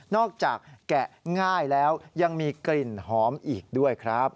แกะง่ายแล้วยังมีกลิ่นหอมอีกด้วยครับ